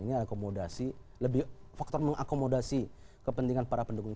ini akomodasi lebih faktor mengakomodasi kepentingan para pendukungnya